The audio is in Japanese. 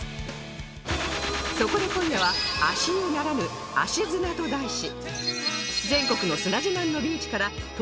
そこで今夜は足湯ならぬ「足砂」と題し